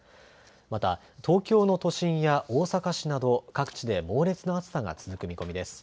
また東京の都心や大阪市など各地で猛烈な暑さが続く見込みです。